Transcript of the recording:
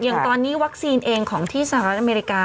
อย่างตอนนี้วัคซีนเองของที่สหรัฐอเมริกา